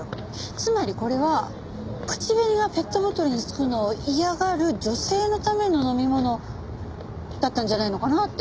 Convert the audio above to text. つまりこれは口紅がペットボトルにつくのを嫌がる女性のための飲み物だったんじゃないのかなって。